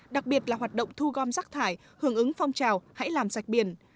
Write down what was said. đặc biệt là hoạt động thu gom rác thải hưởng ứng phong trào hãy làm sạch biển